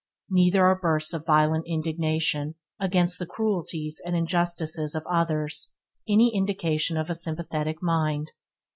Neither are bursts of violent indignation against the cruelties and injustices of others nor any indication of a sympathetic mind.